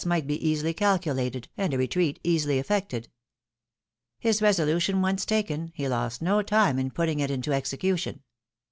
might be easily calculated, and a retreat easily effected. His resolution once taken, he lost no time in putting it into execution.